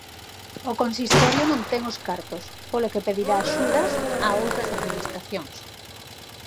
O consistorio non ten os cartos, polo que pedirá axudas a outras administracións.